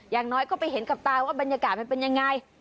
อย่างน้อยก็ไปเห็นกับตาว่าบรรยากาศมันเป็นยังไง